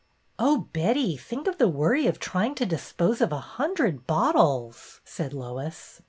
Oh, Betty, think of the worry of trying to dispose of a hundred bottles," said Lois.